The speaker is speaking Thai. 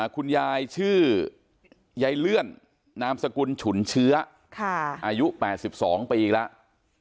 คุณยายชื่อยายเลื่อนนามสกุลฉุนเชื้ออายุ๘๒ปีแล้ว